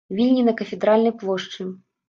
Вільні на кафедральнай плошчы.